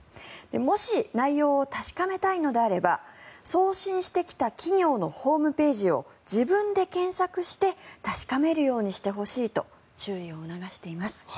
もし内容を確かめたいのであれば送信してきた企業のホームページを自分で検索して確かめるようにしてほしいと注意を促しています。